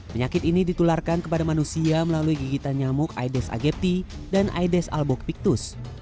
penyakit ini ditularkan kepada manusia melalui gigitan nyamuk aedes aegypti dan aedes albopictus